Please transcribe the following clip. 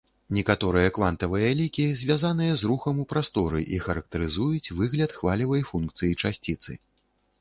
Некаторыя квантавыя лікі звязаныя з рухам у прасторы і характарызуюць выгляд хвалевай функцыі часціцы.